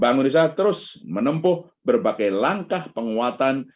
bank indonesia terus menempuh berbagai langkah penguatan